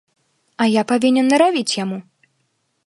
А я павінен наравіць яму.